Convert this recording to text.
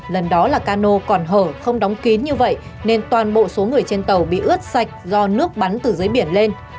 lần đó là cano còn hở không đóng kín như vậy nên toàn bộ số người trên tàu bị ướt sạch do nước bắn từ dưới biển lên